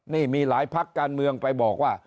นี่มีหลายพักการเมืองไปบอกว่า